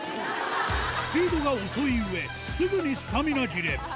スピードが遅いうえ、すぐにスタミナ切れ。